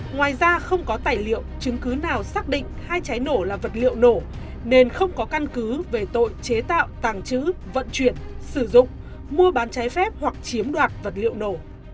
ngoài ra không có tài liệu chứng cứ nào xác định hai trái nổ là vật liệu nổ nên không có căn cứ về tội chế tạo tàng trữ vận chuyển sử dụng mua bán trái phép hoặc chiếm đoạt vật liệu nổ